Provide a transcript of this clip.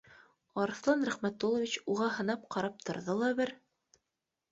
Арыҫлан Рәхмәтуллович уға һынап ҡарап торҙо ла бер